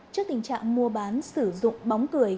trước tình trạng mua bán sử dụng bóng cười